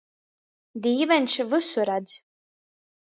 Dīveņš vysu redz!